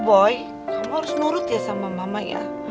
boy kamu harus nurut ya sama mamanya